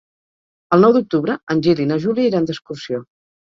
El nou d'octubre en Gil i na Júlia iran d'excursió.